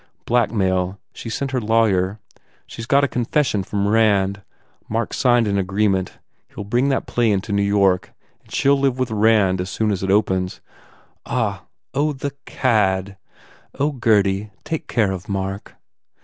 "Blackmail. She sent her lawyer. She s got a confession from Rand. Mark s signed an agreement. He ll bring that play into New York and she ll live with Rand as soon as it opens." "Ah! ... Oh, the cad! ... Oh, Gurdy, take care of Mark!"